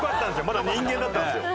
まだ人間だったんですよ。